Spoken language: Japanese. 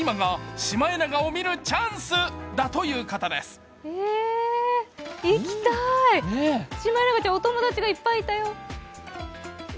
シマエナガちゃん、お友達がいっぱいいたよ。